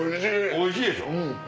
おいしいでしょ？